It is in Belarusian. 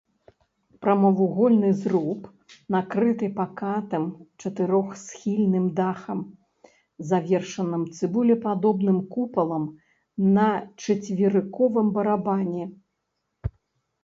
Прамавугольны зруб накрыты пакатым чатырохсхільным дахам, завершаным цыбулепадобным купалам на чацверыковым барабане.